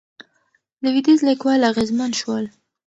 لوېدیځ لیکوال اغېزمن شول.